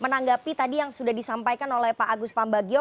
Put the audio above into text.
menanggapi tadi yang sudah disampaikan oleh pak agus pambagio